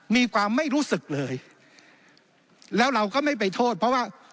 มีความไม่รู้สึกเลยแล้วเราก็ไม่ไปโทษเพราะว่า